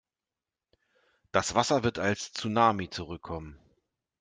Das Wasser wird als Tsunami zurückkommen.